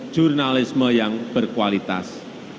jurnalisme yang berkualitas